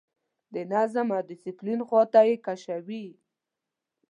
د نظم او ډسپلین خواته یې کشوي.